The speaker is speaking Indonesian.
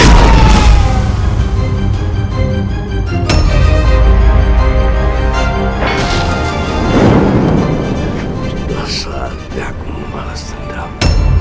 sudah saatnya aku membalas sendam